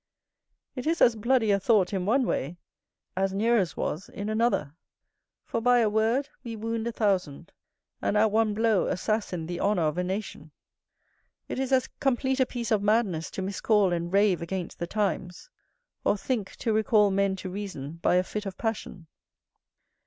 It is as bloody a thought in one way as Nero's was in another. For by a word we wound a thousand, and at one blow assassin the honour of a nation. It is as complete a piece of madness to miscall and rave against the times; or think to recall men to reason by a fit of passion.